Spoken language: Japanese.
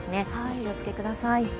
お気をつけください。